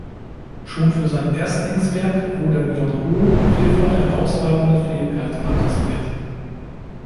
Schon für sein Erstlingswerk wurden Joon-ho vielfach herausragende Fähigkeiten attestiert.